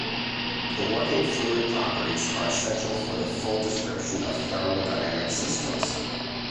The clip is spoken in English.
The working fluid properties are essential for the full description of thermodynamic systems.